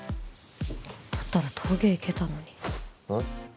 だったら陶芸行けたのにあん？